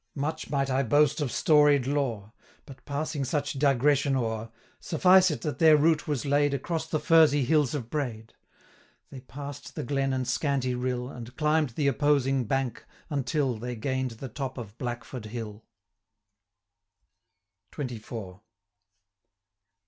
Much might if boast of storied lore; But, passing such digression o'er, 495 Suffice it that their route was laid Across the furzy hills of Braid. They pass'd the glen and scanty rill, And climb'd the opposing bank, until They gain'd the top of Blackford Hill. 500 XXIV.